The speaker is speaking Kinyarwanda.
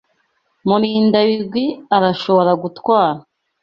Murindabigwi arashobora kugutwara.